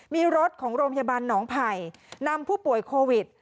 มีรถของโรงพยาบาลหนองไผ่นำผู้ป่วยโควิด